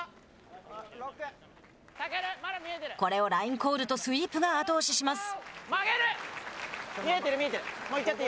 これをラインコールとスイープが後押しします。